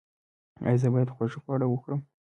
ایا زه باید خوږ خواړه وخورم؟